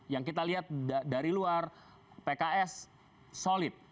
yang kita lihat dari luar pks solid